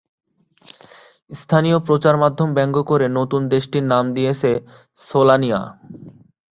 স্থানীয় প্রচার মাধ্যম ব্যঙ্গ করে নতুন দেশটির নাম দিয়েছে "সোলানিয়া"।